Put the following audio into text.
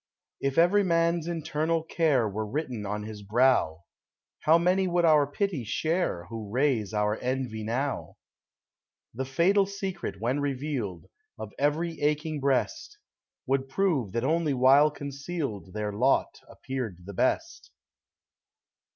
If every man's internal care Were written on his brow, How many would our pity share Who raise our envy now ? The fatal secret, when revealed, Of every aching breast, Would prove that only while concealed Their lot appeared the best.